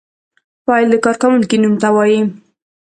فاعل د کار کوونکی نوم ته وايي.